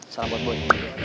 salam buat boy